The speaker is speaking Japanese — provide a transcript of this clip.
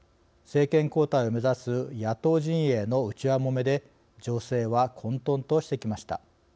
政権交代を目指す野党陣営の内輪もめで情勢は混とんとしてきました。